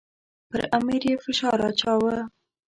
پر امیر یې فشار اچاوه.